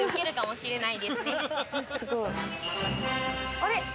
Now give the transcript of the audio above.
あれ？